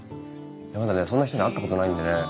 まだねそんな人に会ったことないんでね。